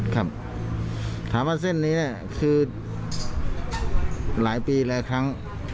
ก็ไม่ออกมาตีกัน